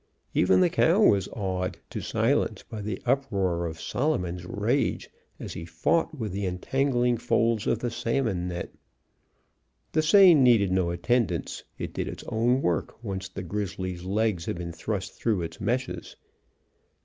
Even the cow was awed to silence by the uproar of Solomon's rage as he fought with the entangling folds of the salmon net. The seine needed no attendance. It did its own work once the grizzly's legs had been thrust through its meshes.